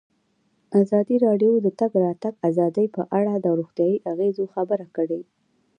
ازادي راډیو د د تګ راتګ ازادي په اړه د روغتیایي اغېزو خبره کړې.